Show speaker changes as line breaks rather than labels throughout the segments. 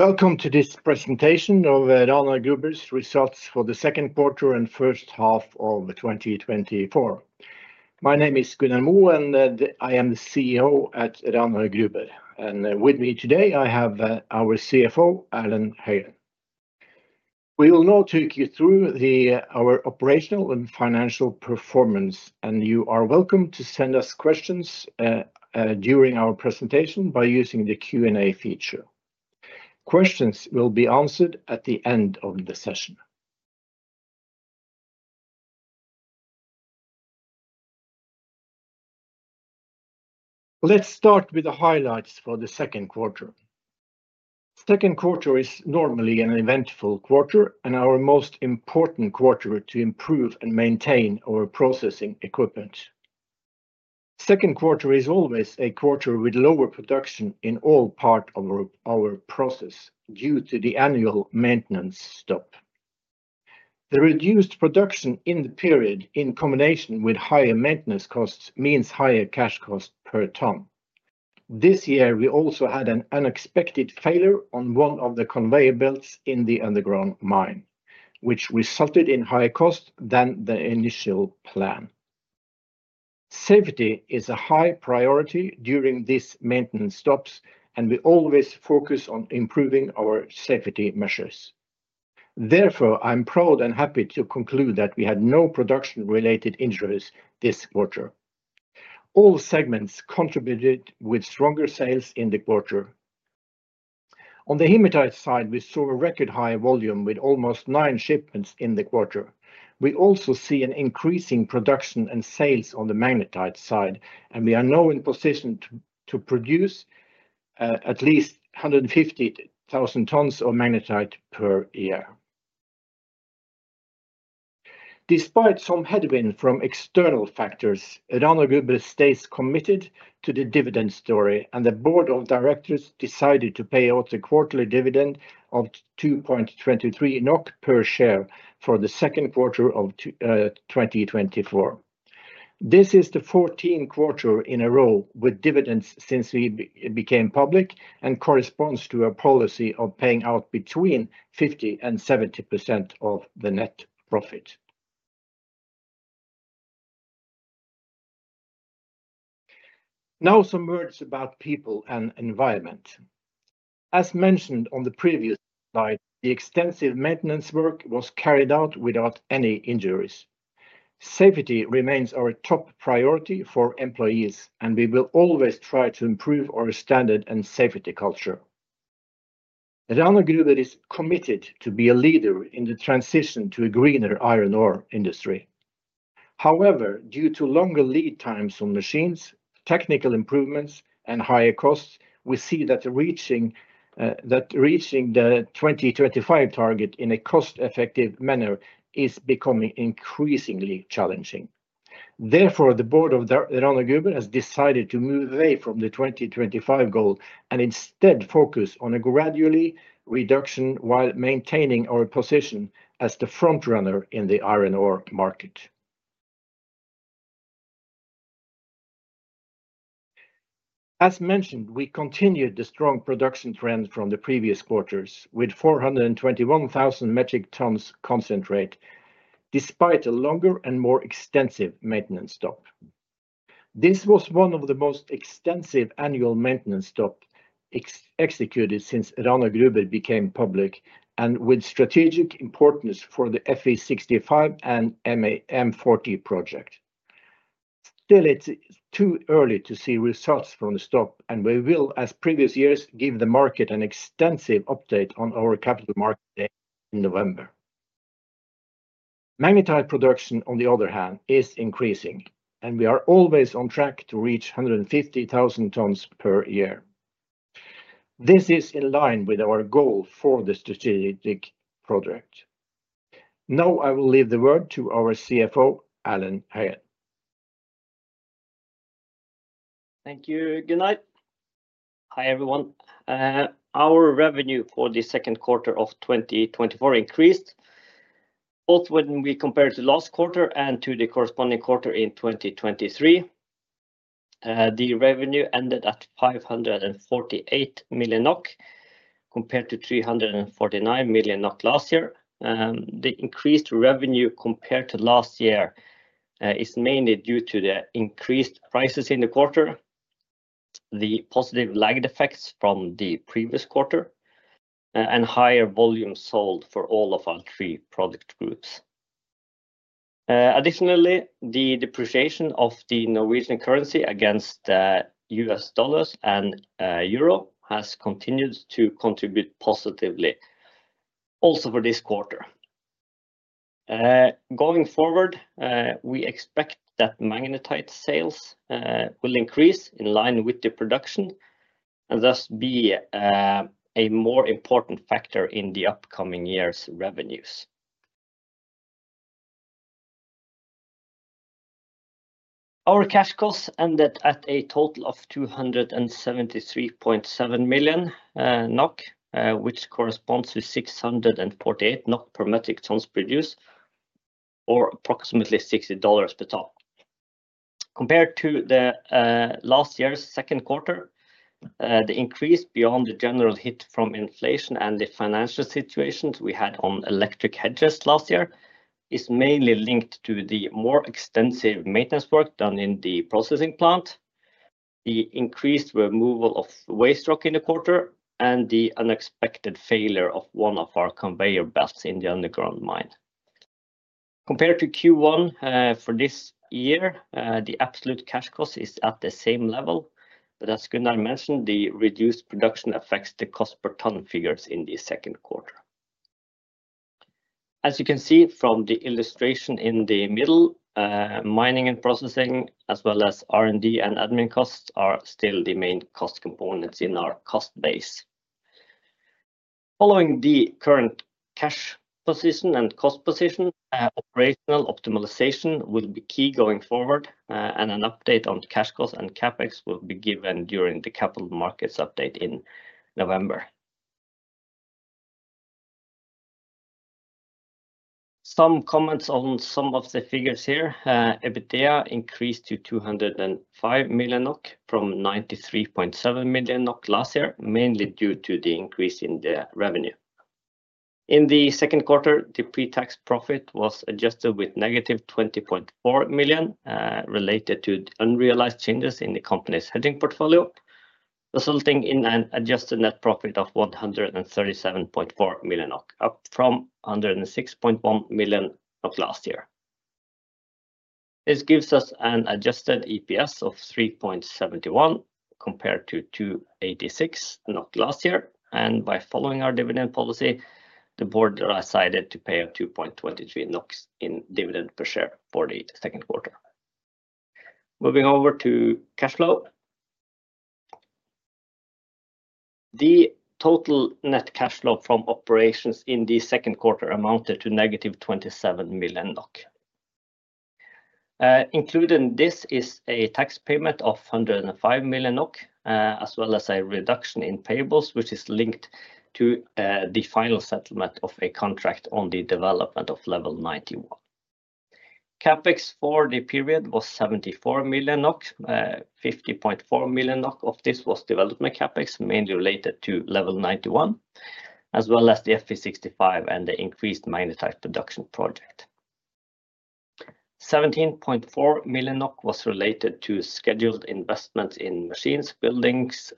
Welcome to this presentation of Rana Gruber's results for the Q2 and first half of the 2024. My name is Gunnar Moe, and I am the CEO at Rana Gruber, and with me today, I have our CFO, Erlend Høyen. We will now take you through the our operational and financial performance, and you are welcome to send us questions during our presentation by using the Q&A feature. Questions will be answered at the end of the session. Let's start with the highlights for the Q2. Q2 is normally an eventful quarter and our most important quarter to improve and maintain our processing equipment. Q2 is always a quarter with lower production in all parts of our process, due to the annual maintenance stop. The reduced production in the period, in combination with higher maintenance costs, means higher cash costs per ton. This year, we also had an unexpected failure on one of the conveyor belts in the underground mine, which resulted in higher costs than the initial plan. Safety is a high priority during these maintenance stops, and we always focus on improving our safety measures. Therefore, I'm proud and happy to conclude that we had no production-related injuries this quarter. All segments contributed with stronger sales in the quarter. On the hematite side, we saw a record high volume with almost nine shipments in the quarter. We also see an increasing production and sales on the magnetite side, and we are now in position to produce at least hundred and fifty thousand tons of magnetite per year. Despite some headwind from external factors, Rana Gruber stays committed to the dividend story, and the board of directors decided to pay out a quarterly dividend of 2.23 NOK per share for the Q2 of 2024. This is the 14th quarter in a row with dividends since we became public and corresponds to a policy of paying out between 50% and 70% of the net profit. Now, some words about people and environment. As mentioned on the previous slide, the extensive maintenance work was carried out without any injuries. Safety remains our top priority for employees, and we will always try to improve our standard and safety culture. Rana Gruber is committed to be a leader in the transition to a greener iron ore industry. However, due to longer lead times on machines, technical improvements, and higher costs, we see that reaching the 2025 target in a cost-effective manner is becoming increasingly challenging. Therefore, the board of Rana Gruber has decided to move away from the 2025 goal and instead focus on a gradually reduction while maintaining our position as the front runner in the iron ore market. As mentioned, we continued the strong production trend from the previous quarters, with 421,000 metric tons concentrate, despite a longer and more extensive maintenance stop. This was one of the most extensive annual maintenance stops executed since Rana Gruber became public and with strategic importance for the Fe65 and MAM project. Still, it's too early to see results from the stop, and we will, as previous years, give the market an extensive update on our Capital Markets Day in November. Magnetite production, on the other hand, is increasing, and we are always on track to reach hundred and fifty thousand tons per year. This is in line with our goal for the strategic project. Now, I will leave the word to our CFO, Erlend Høyen.
Thank you, Gunnar. Hi, everyone. Our revenue for the Q2 of 2024 increased, both when we compare to last quarter and to the corresponding quarter in 2023. The revenue ended at 548 million NOK, compared to 349 million NOK last year. The increased revenue compared to last year is mainly due to the increased prices in the quarter, the positive lagged effects from the previous quarter, and higher volume sold for all of our three product groups. Additionally, the depreciation of the Norwegian currency against the US dollars and euro has continued to contribute positively also for this quarter. Going forward, we expect that magnetite sales will increase in line with the production and thus be a more important factor in the upcoming year's revenues. Our cash costs ended at a total of 273.7 million NOK, which corresponds to 648 NOK per metric tons produced, or approximately $60 per ton. Compared to the last year's Q2, the increase beyond the general hit from inflation and the financial situations we had on electric hedges last year is mainly linked to the more extensive maintenance work done in the processing plant, the increased removal of waste rock in the quarter, and the unexpected failure of one of our conveyor belts in the underground mine. Compared to Q1 for this year, the absolute cash cost is at the same level, but as Gunnar mentioned, the reduced production affects the cost per ton figures in the Q2. As you can see from the illustration in the middle, mining and processing, as well as R&D and admin costs, are still the main cost components in our cost base. Following the current cash position and cost position, operational optimization will be key going forward, and an update on cash cost and CapEx will be given during the capital markets update in November. Some comments on some of the figures here. EBITDA increased to 205 million NOK from 93.7 million NOK last year, mainly due to the increase in the revenue. In the Q2, the pre-tax profit was adjusted with negative 20.4 million, related to unrealized changes in the company's hedging portfolio, resulting in an adjusted net profit of 137.4 million, up from 106.1 million last year. This gives us an adjusted EPS of 3.71, compared to 2.86 NOK last year, and by following our dividend policy, the board decided to pay out 2.23 NOK in dividend per share for the Q2. Moving over to cash flow. The total net cash flow from operations in the Q2 amounted to negative 27 million NOK. Including this is a tax payment of 105 million NOK, as well as a reduction in payables, which is linked to the final settlement of a contract on the development of Level 91. CapEx for the period was 74 million NOK. 50.4 million NOK of this was development CapEx, mainly related to Level 91, as well as the Fe65 and the increased magnetite production project. 17.4 million NOK was related to scheduled investments in machines, buildings,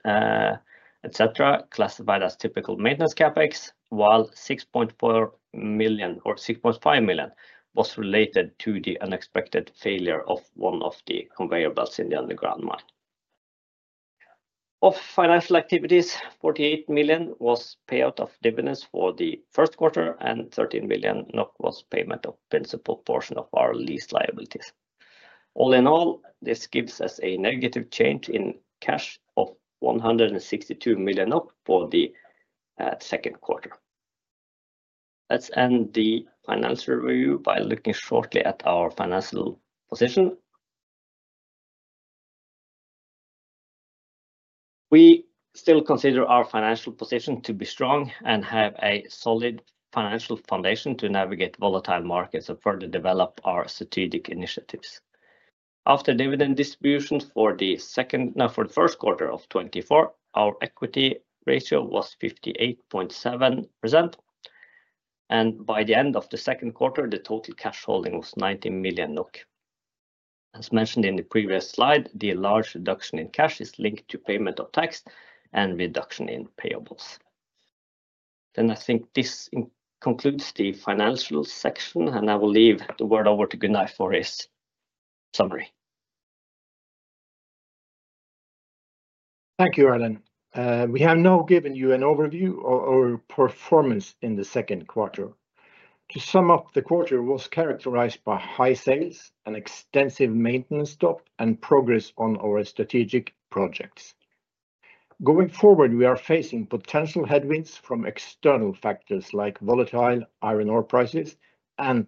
et cetera, classified as typical maintenance CapEx, while 6.4 million or 6.5 million was related to the unexpected failure of one of the conveyor belts in the underground mine. Of financial activities, 48 million was payout of dividends for the Q1, and 13 million NOK was payment of principal portion of our lease liabilities. All in all, this gives us a negative change in cash of 162 million NOK for the Q2. Let's end the financial review by looking shortly at our financial position. We still consider our financial position to be strong and have a solid financial foundation to navigate volatile markets and further develop our strategic initiatives. After dividend distributions for the second, no, for the Q1 of 2024, our equity ratio was 58.7%, and by the end of the Q2, the total cash holding was 90 million NOK. As mentioned in the previous slide, the large reduction in cash is linked to payment of tax and reduction in payables. Then I think this concludes the financial section, and I will leave the word over to Gunnar for his summary.
Thank you, Erlend. We have now given you an overview of our performance in the Q2. To sum up, the quarter was characterized by high sales and extensive maintenance stop and progress on our strategic projects. Going forward, we are facing potential headwinds from external factors like volatile iron ore prices and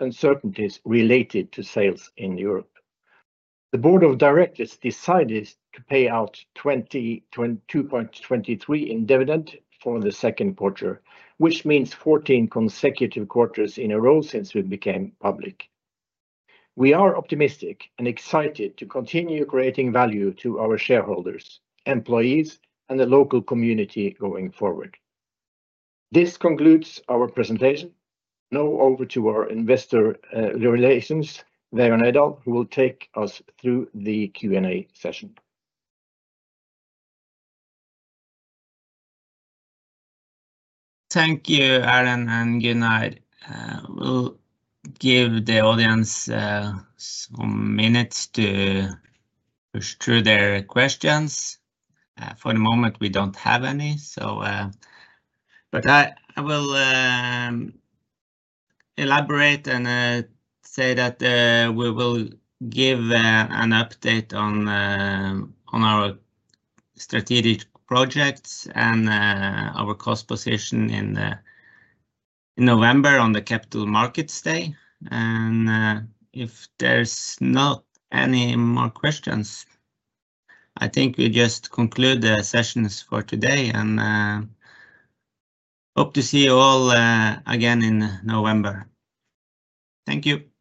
uncertainties related to sales in Europe. The board of directors decided to pay out 2.23 in dividend for the Q2, which means 14 consecutive quarters in a row since we became public. We are optimistic and excited to continue creating value to our shareholders, employees, and the local community going forward. This concludes our presentation. Now over to our investor relations, Vegard Nerdal, who will take us through the Q&A session.
Thank you, Erlend and Gunnar. We'll give the audience some minutes to push through their questions. For the moment, we don't have any, so but I will elaborate and say that we will give an update on our strategic projects and our cost position in the November, on the Capital Markets Day, and if there's not any more questions, I think we just conclude the sessions for today and hope to see you all again in November. Thank you.